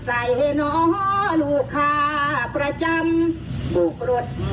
จ้อดจ๊อด